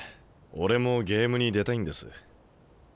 俺もゲームに出たいんです。